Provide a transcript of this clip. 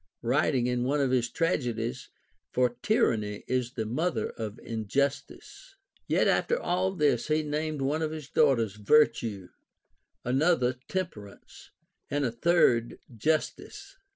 writing in one of his tragedies, — For tyranny is the mother of injustice. Yet after all this, he named one of his daughters \^n"tue, another Temperance, and a third Justice.